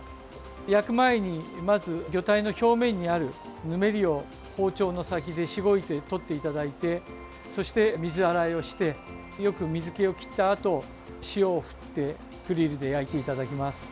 焼く前にまず、魚体の表面にあるぬめりを包丁の先でしごいて取っていただいてそして、水洗いをしてよく水けを切ったあと塩を振ってグリルで焼いていただきます。